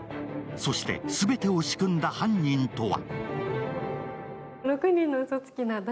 そして全てを仕組んだ犯人とは？